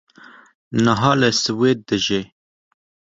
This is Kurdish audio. niha li Swêd dijî